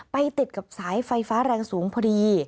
ติดกับสายไฟฟ้าแรงสูงพอดี